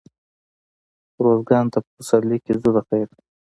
روزګان ته په پسرلي کښي ځو دخيره.